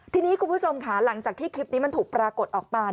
ทีนี้คุณผู้ชมค่ะหลังจากที่คลิปนี้มันถูกปรากฏออกมา